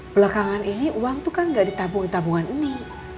belakangan ini uang itu kan gak ditabung di tabungan ini